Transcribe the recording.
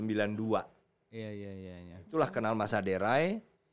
itulah kenal mas aderay